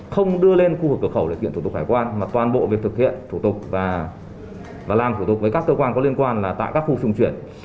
không đưa lên khu vực cửa khẩu để kiện thủ tục hải quan mà toàn bộ việc thực hiện thủ tục và làm thủ tục với các cơ quan có liên quan là tại các khu trung chuyển